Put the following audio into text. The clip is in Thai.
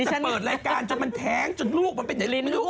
แต่เปิดรายการจนมันแท้งจนลูกมันไปไหนเลยไม่รู้